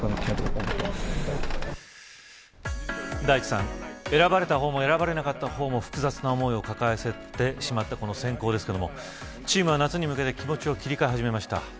大地さん選ばれた方も選ばれなかった方も複雑な思いを抱えてしまった、選考ですけどチームは夏に向けて気持ちを切り替え始めました。